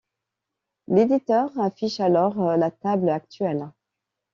L'éditeur affiche alors la table actuelle.